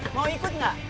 mau ikut gak